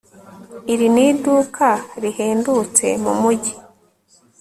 iri ni iduka rihendutse mumujyi